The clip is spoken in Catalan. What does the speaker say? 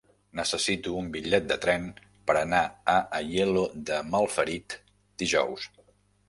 Necessito un bitllet de tren per anar a Aielo de Malferit dijous.